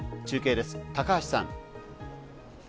中継です、高橋さん。